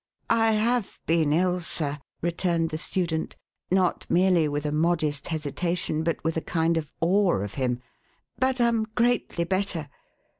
"I have been ill, sir," returned the student, not merely with a modest hesitation, but with a kind of awe of him, " but am greatly better.